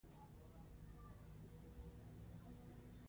شعر د یوه شاعر د استعدادونو یوه الهې پیرزویَنه ده.